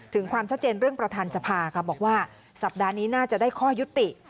ความชัดเจนเรื่องประธานสภาค่ะบอกว่าสัปดาห์นี้น่าจะได้ข้อยุติ